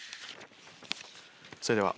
それでは。